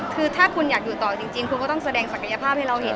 คือถ้าคุณอยากอยู่ต่อจริงคุณก็ต้องแสดงศักยภาพให้เราเห็น